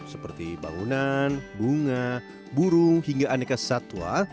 seperti bangunan bunga burung hingga aneka satwa